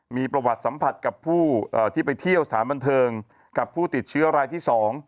มีประวัติสัมผัสกับผู้ที่ไปเที่ยวสถานบันเทิงกับผู้ติดเชื้อรายที่๒